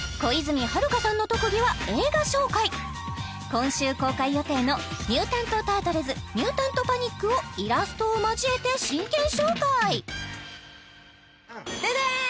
今週公開予定の「ミュータント・タートルズ：ミュータント・パニック！」をイラストを交えて真剣紹介ででん！